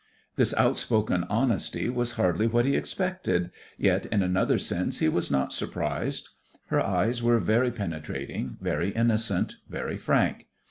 This outspoken honesty was hardly what he expected, yet in another sense he was not surprised. Her eyes were very penetrating, very innocent, very frank.